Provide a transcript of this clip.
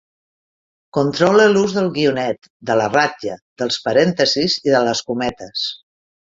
Controle l'ús del guionet, de la ratlla, dels parèntesis i de les cometes.